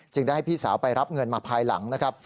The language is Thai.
ได้ให้พี่สาวไปรับเงินมาภายหลังนะครับ